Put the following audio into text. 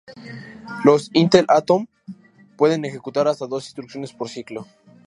Los Intel Atom pueden ejecutar hasta dos instrucciones por ciclo.